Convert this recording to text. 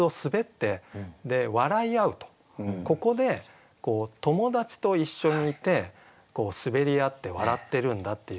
ここで友達と一緒にいて滑り合って笑ってるんだっていう。